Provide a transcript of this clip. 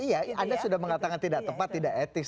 iya anda sudah mengatakan tidak tepat tidak etis